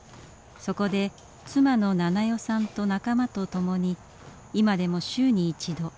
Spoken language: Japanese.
そこで妻の奈々代さんと仲間と共に今でも週に一度弓を引きます。